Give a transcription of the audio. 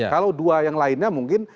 kalau dua yang lainnya mungkin